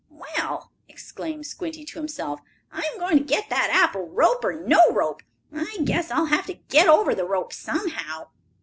"Well!" exclaimed Squinty to himself, "I am going to get that apple, rope or no rope. I guess I'll have to get over the rope somehow."